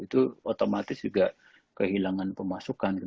itu otomatis juga kehilangan pemasukan